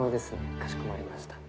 かしこまりました。